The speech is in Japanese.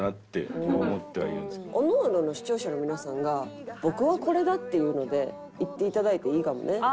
おのおのの視聴者の皆さんが「僕はこれだ」っていうので言って頂いていいかもね。